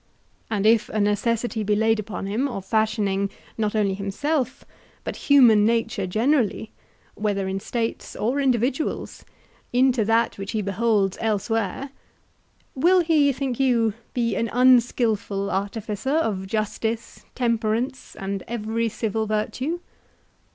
And if a necessity be laid upon him of fashioning, not only himself, but human nature generally, whether in States or individuals, into that which he beholds elsewhere, will he, think you, be an unskilful artificer of justice, temperance, and every civil virtue?